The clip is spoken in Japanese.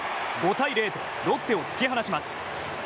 ５対０とロッテを突き放します。